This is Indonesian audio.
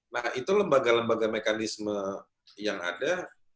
nah itu lembaga lembaga mekanisme yang ada